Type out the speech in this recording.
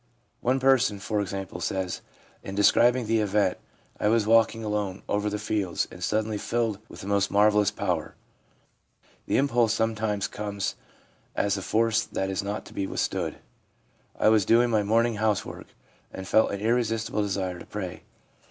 One person, for example, says, in describing the event: 'I was walking alone over the fields, and was suddenly filled with the most marvellous power/ The impulse sometimes comes as a force that is not to be withstood. * I was doing my morning housework, and felt an irresistible desire to pray.